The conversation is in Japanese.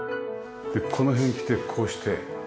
この辺来てこうして。